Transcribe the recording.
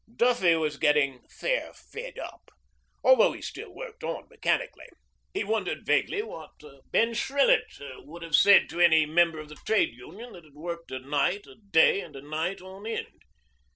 Duffy was getting 'fair fed up,' although he still worked on mechanically. He wondered vaguely what Ben Shrillett would have said to any member of the trade union that had worked a night, a day, and a night on end.